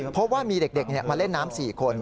เพราะว่ามีเด็กมาเล่นน้ำ๔คน